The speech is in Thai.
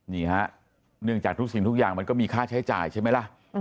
นี่ฮะเนื่องจากทุกสิ่งทุกอย่างมันก็มีค่าใช้จ่ายใช่ไหมล่ะ